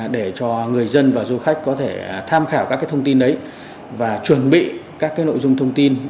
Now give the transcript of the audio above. để cho người dân và du khách có thể tham khảo các thông tin đấy và chuẩn bị các nội dung thông tin